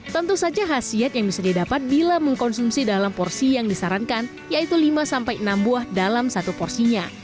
tentu saja khasiat yang bisa didapat bila mengkonsumsi dalam porsi yang disarankan yaitu lima sampai enam buah dalam satu porsinya